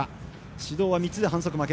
指導は３つで反則負け。